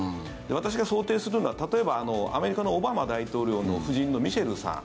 私が想定するのは、例えばアメリカのオバマ大統領の夫人のミシェルさん。